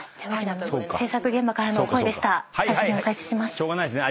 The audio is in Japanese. しょうがないですね。